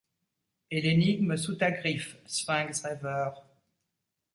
Et l'énigme sous ta griffe, Sphinx rêveur !